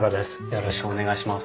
よろしくお願いします。